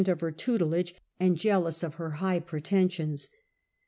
of her tutelage, and jealous of her high pretensions.